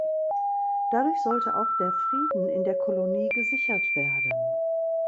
Dadurch sollte auch der Frieden in der Kolonie gesichert werden.